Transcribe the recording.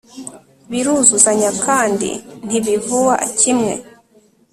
biruzuzanya kandi ntibivua kimwe